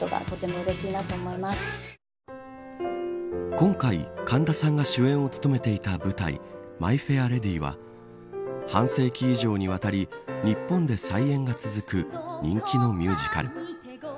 今回、神田さんが主演を務めていた舞台マイ・フェア・レディは半世紀以上にわたり日本で再演が続く人気のミュージカル。